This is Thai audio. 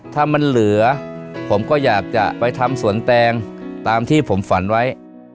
ถ้ามันเหลือผมก็อยากจะไปทำสวนแตงตามที่ผมฝันไว้